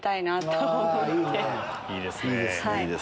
いいですね。